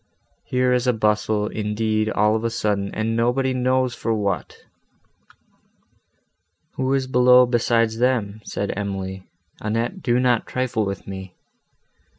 Here is a bustle, indeed, all of a sudden, and nobody knows for what!" "Who is below besides them?" said Emily, "Annette, do not trifle with me!"